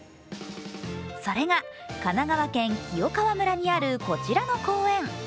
それが神奈川県清川村にあるこちらの公園。